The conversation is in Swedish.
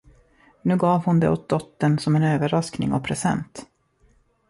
Nu gav hon det åt dottern som en överraskning och present.